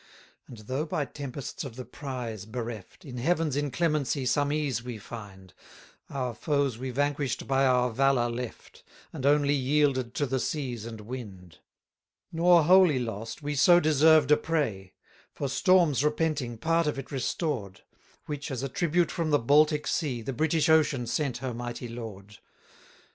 30 And though by tempests of the prize bereft, In Heaven's inclemency some ease we find: Our foes we vanquish'd by our valour left, And only yielded to the seas and wind. 31 Nor wholly lost we so deserved a prey; For storms repenting part of it restored: Which, as a tribute from the Baltic sea, The British ocean sent her mighty lord.